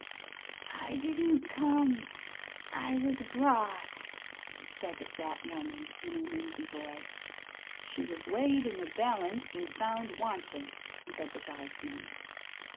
"I didn't come; I was brought," said the fat woman, in a wheezy voice. "She was weighed in the balance and found wanting," said the guardsman.